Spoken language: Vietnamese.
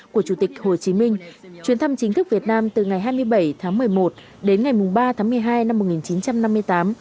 của chủ tịch hồ chí minh chuyến thăm chính thức việt nam từ ngày hai mươi bảy tháng một mươi một đến ngày ba tháng một mươi hai năm một nghìn chín trăm năm mươi tám